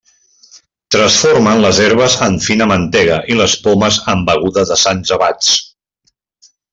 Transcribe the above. Transformen les herbes en fina mantega i les pomes en beguda de sants abats.